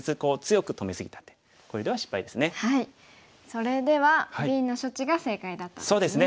それではＢの処置が正解だったんですね。